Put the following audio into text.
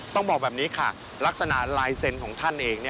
ต้องบอกแบบนี้ค่ะลักษณะลายเซ็นต์ของท่านเอง